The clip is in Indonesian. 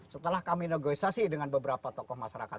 setelah kami negosiasi dengan beberapa tokoh masyarakat